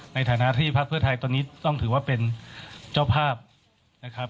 ในฐานะที่พักเพื่อไทยตอนนี้ต้องถือว่าเป็นเจ้าภาพนะครับ